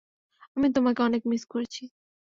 আমি তোমাকে অনেক মিস করেছি।